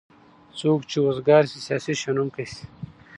څوک چې اوزګار شی سیاسي شنوونکی شي.